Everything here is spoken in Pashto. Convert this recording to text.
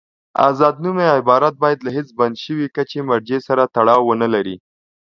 آزاد نومي عبارت باید له هېڅ بند شوي کچې مرجع سره تړاو ونلري.